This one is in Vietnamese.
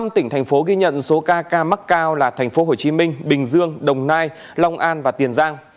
năm tỉnh thành phố ghi nhận số ca mắc cao là thành phố hồ chí minh bình dương đồng nai long an và tiền giang